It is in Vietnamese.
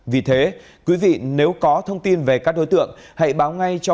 vì thế quý vị nếu có thông tin về các đối tượng hãy báo ngay cho